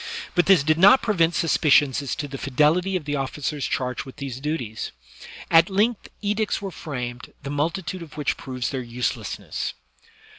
but this did not prevent suspicions as to the fidelity of the officers charged with these duties. At length edicts were framed, the multitude of which proves their uselessness.